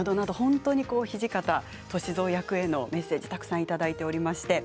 土方歳三役へのメッセージたくさんいただいています。